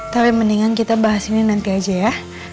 tapi mendingan kita bahas ini nanti aja ya